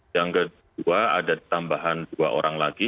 yang kedua ada tambahan dua orang lagi